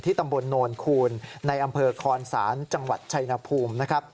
ที่ตำบลโนนคูณในอำเภอคอนสานจังหวัดชัยนภูมิ